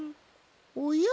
おや？